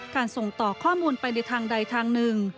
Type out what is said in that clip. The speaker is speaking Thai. ส่งต่อข้อมูลไปในทางใดทางหนึ่ง